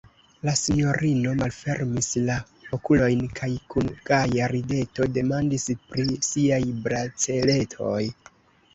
La sinjorino malfermis la okulojn kaj kun gaja rideto demandis pri siaj braceletoj.